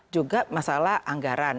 juga masalah anggaran